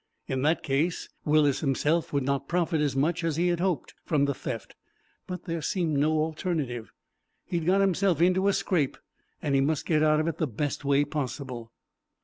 In that case Willis himself would not profit as much as he had hoped from the theft; but there seemed no alternative. He had got himself into a scrape, and he must get out of it the best way possible.